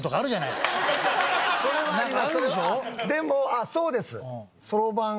でもあっそうです。